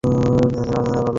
তারা সেটাকে লুকিয়ে দেয়।